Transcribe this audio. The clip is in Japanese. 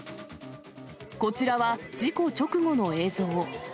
こちらは、事故直後の映像。